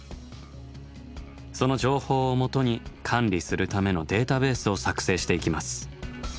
その情報をもとに管理するためのデータベースを作成していきます。